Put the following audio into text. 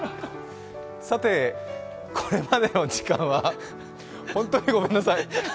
さて、これまでの時間は本当にごめんなさい。